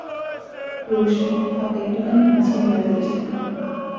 Rossouw, ঘরটা একটুখানি গুছিয়ে নেবার চেষ্টা করি।